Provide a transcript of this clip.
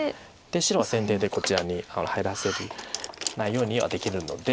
白は先手でこちらに入らせないようにはできるので。